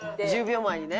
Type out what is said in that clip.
１０秒前にね。